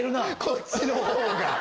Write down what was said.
こっちのほうが。